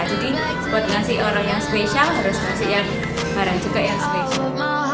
jadi buat ngasih orang yang spesial harus ngasih yang barang juga yang spesial